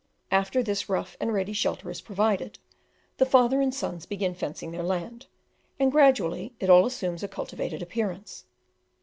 After this rough and ready shelter is provided, the father and sons begin fencing their land and gradually it all assumes a cultivated appearance.